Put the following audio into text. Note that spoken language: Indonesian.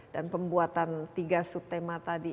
dan pembuatan tiga subtema tadi